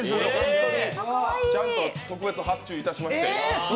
ちゃんと特別発注いたしまして。